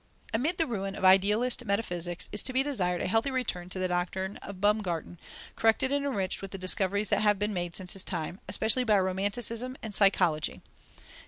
Amid the ruin of idealist metaphysics, is to be desired a healthy return to the doctrine of Baumgarten, corrected and enriched with the discoveries that have been made since his time, especially by romanticism and psychology.